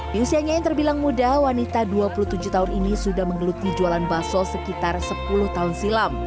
di usianya yang terbilang muda wanita dua puluh tujuh tahun ini sudah menggeluti jualan baso sekitar sepuluh tahun silam